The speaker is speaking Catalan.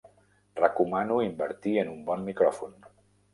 Recomano invertir en un bon micròfon.